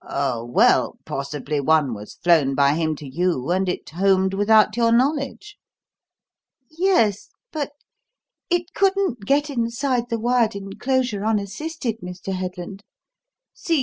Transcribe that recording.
"Oh, well, possibly one was 'flown' by him to you, and it 'homed' without your knowledge." "Yes, but it couldn't get inside the wired enclosure unassisted, Mr. Headland. See!